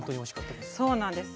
そうなんです。